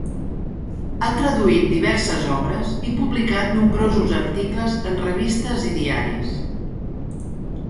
Ha traduït diverses obres i publicat nombrosos articles en revistes i diaris.